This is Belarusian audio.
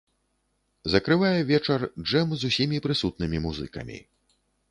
Закрывае вечар джэм з усімі прысутнымі музыкамі.